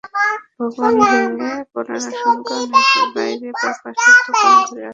ভবন ভেঙে পড়ার আশঙ্কায় অনেকেই বাইরে বাঁ পাশের দোকান ঘরে আশ্রয় নেন।